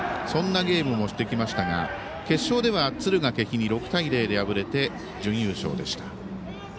そんなゲームもしてきましたが決勝では敦賀気比に６対０で敗れて準優勝でした。